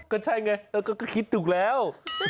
ก็ใช่ไงก็คิดถูกแล้ว